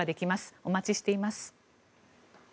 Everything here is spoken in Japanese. お待ちしています。